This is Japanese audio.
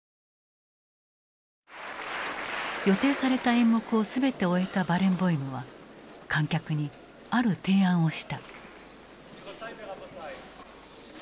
予定された演目を全て終えたバレンボイムは観客にある提案をした。